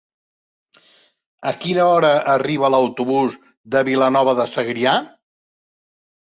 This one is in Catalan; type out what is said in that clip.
A quina hora arriba l'autobús de Vilanova de Segrià?